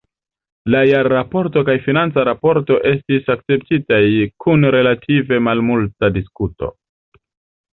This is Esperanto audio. La jarraporto kaj financa raporto estis akceptitaj kun relative malmulta diskuto.